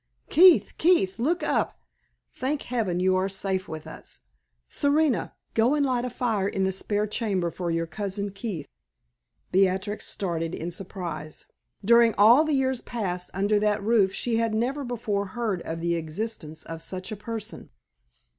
"Keith! Keith! look up. Thank Heaven you are safe with us! Serena, go and light a fire in the spare chamber for your cousin Keith." Beatrix started in surprise. During all the years passed under that roof she had never before heard of the existence of such a person.